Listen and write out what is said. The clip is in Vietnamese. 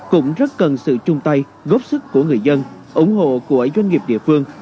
cũng rất cần sự chung tay góp sức của người dân ủng hộ của doanh nghiệp địa phương